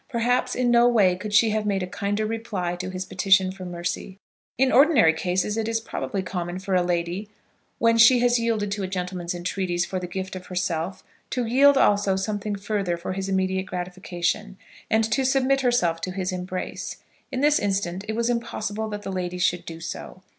Perhaps in no way could she have made a kinder reply to his petition for mercy. In ordinary cases it is probably common for a lady, when she has yielded to a gentleman's entreaties for the gift of herself, to yield also something further for his immediate gratification, and to submit herself to his embrace. In this instance it was impossible that the lady should do so.